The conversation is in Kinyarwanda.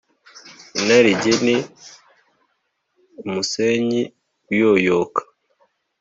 inarijye ni umusenyi uyoyoka